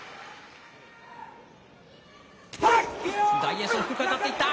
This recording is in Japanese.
大栄翔、低く当たっていった。